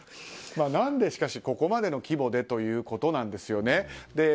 何でしかし、ここまでの規模でということなんですよね。